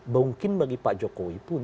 mungkin bagi pak jokowi pun